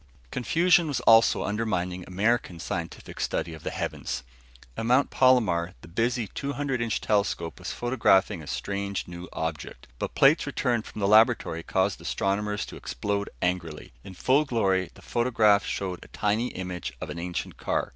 Confusion was also undermining American scientific study of the heavens. At Mount Palomar the busy 200 inch telescope was photographing a strange new object, but plates returned from the laboratory caused astronomers to explode angrily. In full glory, the photograph showed a tiny image of an ancient car.